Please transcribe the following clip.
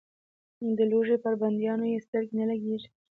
د لوږې پر بندیانو یې سترګې نه لګېږي.